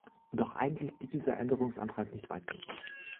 Doch eigentlich geht dieser Änderungsantrag nicht weit genug.